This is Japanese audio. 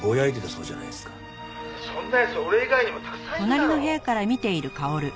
「そんな奴俺以外にもたくさんいるだろ！」